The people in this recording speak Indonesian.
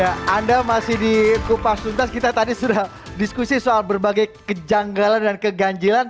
ya anda masih di kupas tuntas kita tadi sudah diskusi soal berbagai kejanggalan dan keganjilan